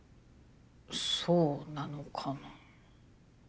そうなのかな。